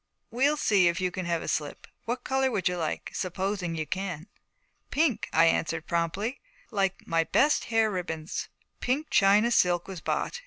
'We'll see if you can have a slip. What color would you like supposing you can?' 'Pink,' I answered promptly, 'like my best hair ribbons.' Pink china silk was bought.